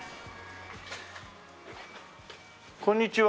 こんにちは。